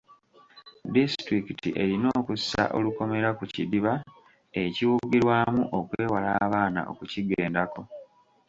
Disitulikiti erina okussa olukomera ku kidiba ekiwugirwamu okwewala abaana okukigendako.